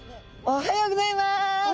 おはようございます。